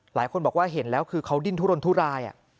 หลายคนบอกว่าเห็นแล้วคือเขาดิ้นทุรนทุราย